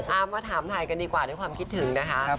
เอามาถามถ่ายกันดีกว่าด้วยความคิดถึงนะคะ